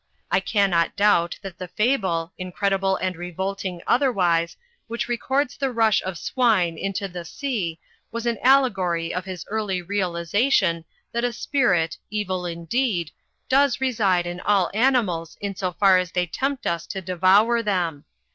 I cannot doubt that the fable, incredible and revolting otherwise, which records the rush of swine into the sea, was an allegory of his early realisation that a spirit, evil indeed, does reside in all animals m so far u,u,uz«ubyGooQle 132 THE FLYING INN as they tempt us to devour them.